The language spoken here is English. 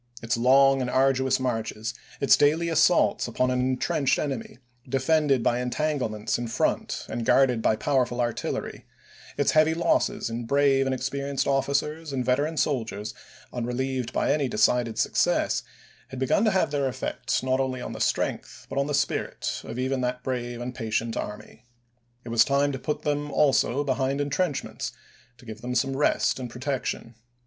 Its long and arduous marches; its daily assaults upon an in trenched enemy, defended by entanglements in front and guarded by powerful artillery ; its heavy losses in brave and experienced officers and veteran soldiers, unrelieved by any decided success, had begun to have their effect not only on the strength but the spirit of even that brave and patient army. It was time to put them also behind intrenchments, to give them some rest and protection.